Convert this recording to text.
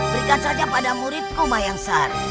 berikan saja pada muridku mayansar